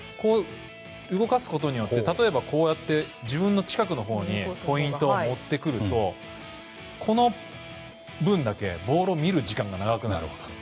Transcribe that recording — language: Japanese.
動かすことによって自分の近くのほうにポイントを持ってくるとこの分だけボールを見る時間が長くなるんです。